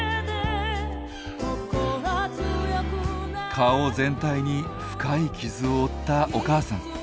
顔全体に深い傷を負ったお母さん。